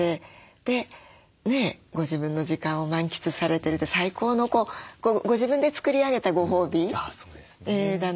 でご自分の時間を満喫されてるって最高のご自分で作り上げたご褒美だなと思って。